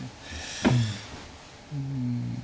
うん。